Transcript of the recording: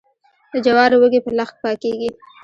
د جوارو وږي په لښک پاکیږي.